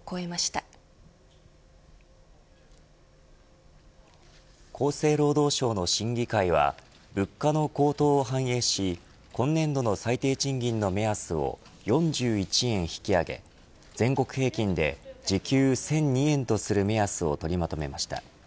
引き上げ額はこれまでで最も大きく厚生労働省の審議会は物価の高騰を反映し今年度の最低賃金の目安を４１円引き上げ、全国平均で時給１００２円とする目安を取りまとめました。